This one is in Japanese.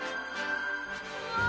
うわ！